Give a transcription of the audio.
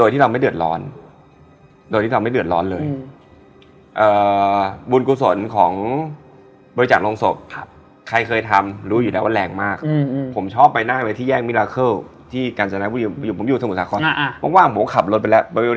ทีนี้พอลงมาเรารู้สึกว่าเอ๊ะดีขึ้นแล้ว